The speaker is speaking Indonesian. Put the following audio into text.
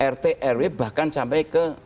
rt rw bahkan sampai ke